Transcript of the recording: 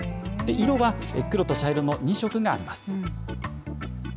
色は黒と茶色の２色があります。